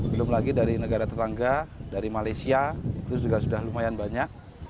belum lagi dari negara tetangga dari malaysia itu juga sudah lumayan banyak